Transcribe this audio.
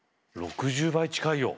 ６０倍近いよ。